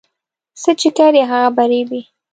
څه چې کرې هغه په رېبې